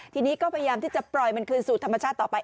ทีนี้ก็พยายามที่จะปล่อยมันคืนสู่ธรรมชาติต่อไป